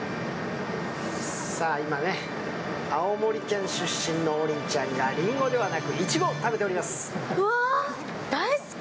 今、青森県出身の王林ちゃんがりんごではなくいちごを食べております。